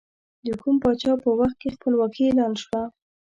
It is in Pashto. د کوم پاچا په وخت کې خپلواکي اعلان شوه؟